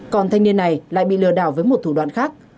còn thanh niên này lại bị lừa đảo với một thủ đoạn khác